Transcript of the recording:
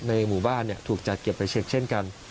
ในหมู่บ้านถูกจัดเก็บไปเช็คเช่นกัน